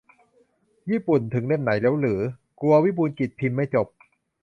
ญี่ปุ่นถึงเล่มไหนแล้วหรือ กลัววิบูลย์กิจพิมพ์ไม่จบ